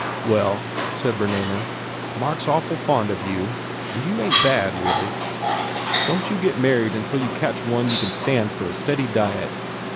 "Well," said Bernamer, "Mark s awful fond of you. And you ain t bad, reelly. Don t you get married until you catch one you can stand for steady diet.